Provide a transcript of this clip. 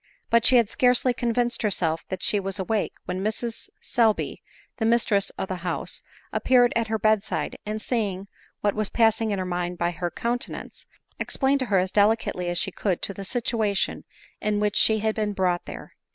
But she had scarcely convinced herself that she was awake, when Mrs Selby, the mistress of the house, ap peared at her bed side, and, seeing what was passing m her mind by her countenance, explained to her as deli cately as she could the situation in which she had been brought there.